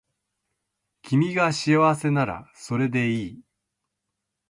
君が幸せならそれでいい